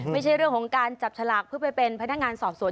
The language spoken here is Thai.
ไม่ใช่เรื่องของการจับฉลากเพื่อไปเป็นพนักงานสอบสวน